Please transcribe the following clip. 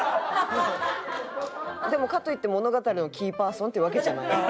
でもかといって物語のキーパーソンってわけじゃない。